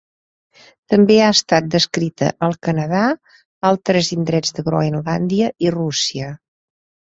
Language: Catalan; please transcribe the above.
També ha estat descrita al Canadà, altres indrets de Groenlàndia i Rússia.